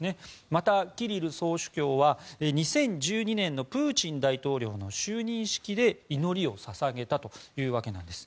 また、キリル総主教は２０１２年のプーチン大統領の就任式で祈りを捧げたというわけなんです。